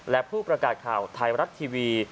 และผู้ประกาศข่าวไทยรัฐทีวี